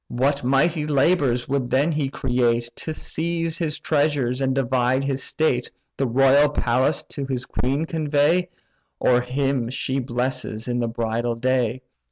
What mighty labours would he then create, To seize his treasures, and divide his state, The royal palace to the queen convey, Or him she blesses in the bridal day!"